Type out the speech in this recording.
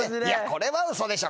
これは嘘でしょ。